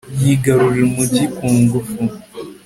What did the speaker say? yigarurira umugi ku ngufu